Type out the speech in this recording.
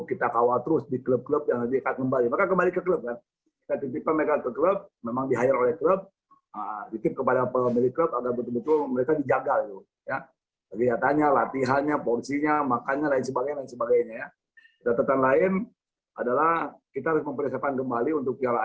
itu sintiom yang akan tahu